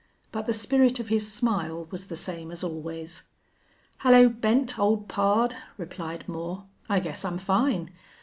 But the spirit of his smile was the same as always. "Hello, Bent, old pard!" replied Moore. "I guess I'm fine.